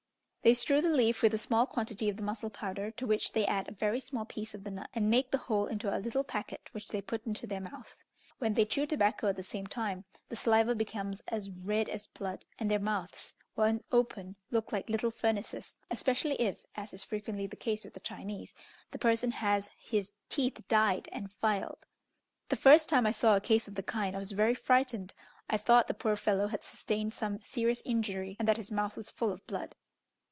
They strew the leaf with a small quantity of the mussel powder, to which they add a very small piece of the nut, and make the whole into a little packet, which they put into their mouth. When they chew tobacco at the same time, the saliva becomes as red as blood, and their mouths, when open, look like little furnaces, especially if, as is frequently the case with the Chinese, the person has his teeth dyed and filed. The first time I saw a case of the kind I was very frightened: I thought the poor fellow had sustained some serious injury, and that his mouth was full of blood.